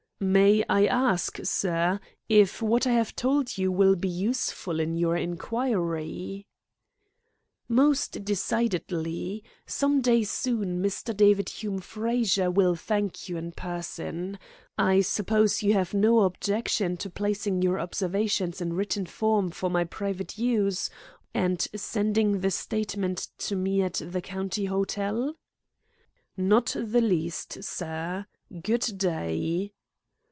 "May I ask, sir, if what I have told you will be useful in your inquiry?" "Most decidedly. Some day soon Mr. David Hume Frazer will thank you in person. I suppose you have no objection to placing your observations in written form for my private use, and sending the statement to me at the County Hotel?" "Not the least, sir; good day."